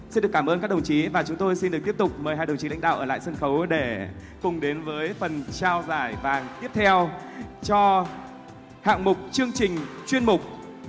xin được cảm ơn các đồng chí và chúng tôi xin được tiếp tục mời hai đồng chí lãnh đạo ở lại sân khấu để cùng đến với phần trao giải vàng tiếp theo cho hạng mục chương trình chuyên mục